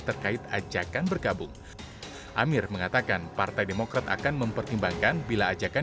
terkait ajakan berkabung amir mengatakan partai demokrat akan mempertimbangkan bila ajakan